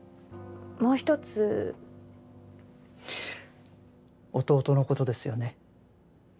もう一つ弟のことですよね？